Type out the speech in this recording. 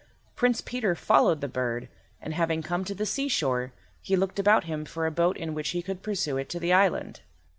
Prince Peter followed the bird, and, having come to the seashore, he looked about him for a boat in which he could pursue it to the island.